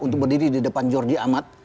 untuk berdiri di depan georgie amat